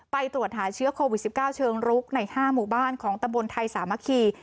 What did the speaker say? ตรวจหาเชื้อโควิด๑๙เชิงรุกใน๕หมู่บ้านของตำบลไทยสามัคคี